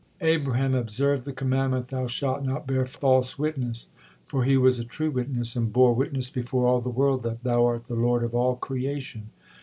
Abraham observed the commandment: 'Thou shalt not bear false witness,' for he was a true witness, and bore witness before all the world that Thou art the Lord of all creation.